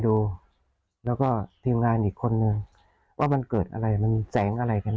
ดูแล้วก็ทีมงานอีกคนนึงว่ามันเกิดอะไรมันแสงอะไรกัน